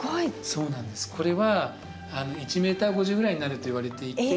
そうなんですこれは１メーター５０ぐらいになるといわれていて。